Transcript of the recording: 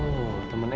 oh teman sd